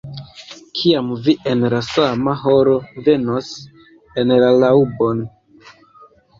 Kiam vi en la sama horo venos en la laŭbon.